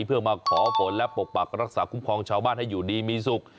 เพื่อมาขอฝนและปกปักรักษาคุ้มครองชาวบ้านให้อยู่ดีมีสุข